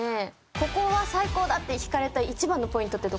ここは最高だって引かれた一番のポイントってどこですか？